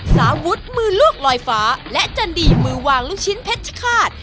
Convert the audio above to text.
สารวุฒิมือลวกลอยฟ้าและจันดีมือวางลูกชิ้นเพชรฆาต